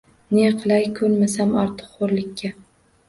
Ne qilay, ko‘nmasam ortiq xo‘rlikka.